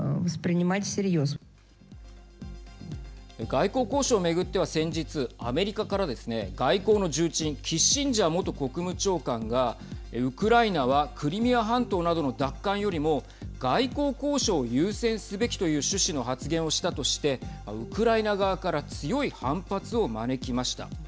外交交渉をめぐっては先日アメリカからですね、外交の重鎮キッシンジャー元国務長官がウクライナはクリミア半島などの奪還よりも外交交渉を優先すべきという趣旨の発言をしたとしてウクライナ側から強い反発を招きました。